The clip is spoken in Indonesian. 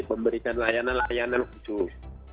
memberikan layanan layanan khusus